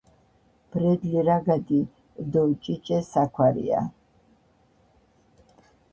ბრელი რაგადი დო ჭიჭე საქვარია